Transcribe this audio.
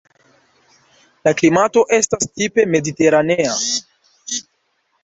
La klimato estas tipe mediteranea.